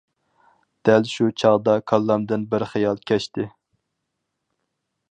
دەل شۇ چاغدا كاللامدىن بىر خىيال كەچتى.